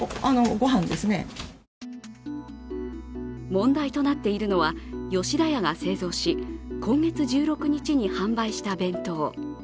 問題となっているのは、吉田屋が製造し今月１６日に販売した弁当。